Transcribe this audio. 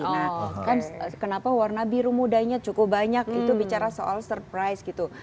nah kan kenapa warna biru mudanya cukup banyak itu bicara soal surprise gitu